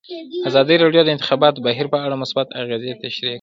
ازادي راډیو د د انتخاباتو بهیر په اړه مثبت اغېزې تشریح کړي.